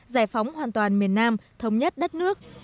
giải phóng hoàn toàn miền nam thống nhất đất nước